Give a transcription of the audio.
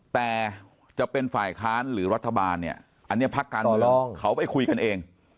แต่จะเป็นฝ่ายค้านหรือรัฐบาลเนี่ยอันนี้พักการเมืองเขาไปคุยกันเอง